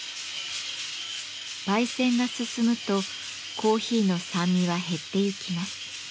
焙煎が進むとコーヒーの酸味は減ってゆきます。